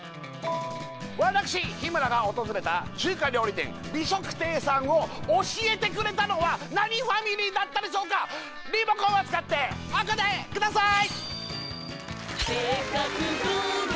私日村が訪れた中華料理店美食亭さんを教えてくれたのは何ファミリーだったでしょうかリモコンを使ってお答えください